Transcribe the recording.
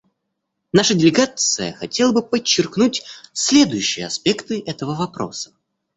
Наша делегация хотела бы подчеркнуть следующие аспекты этого вопроса.